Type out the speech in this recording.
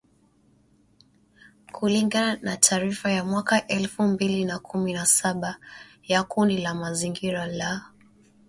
kulingana na taarifa ya mwaka elfu mbili na kumi na saba ya kundi la kimazingira la